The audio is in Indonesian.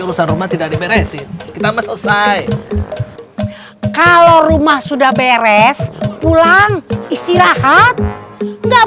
urusan rumah tidak diberesin kita selesai kalau rumah sudah beres pulang istirahat enggak